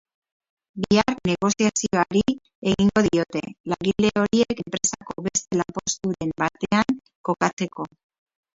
Bihar negoziazioari ekingo diote, langile horiek enpresako beste lanposturen batean kokatzeko.